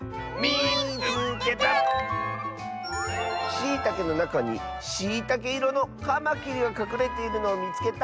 「しいたけのなかにしいたけいろのカマキリがかくれているのをみつけた！」。